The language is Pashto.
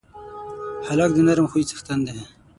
هلک د نرم خوی څښتن دی.